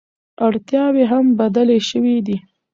اړتیاوې هم بدلې شوې دي.